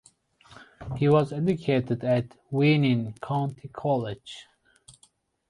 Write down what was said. He was educated at Weenen County College.